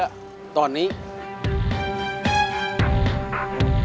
aku pastiughing dan intinya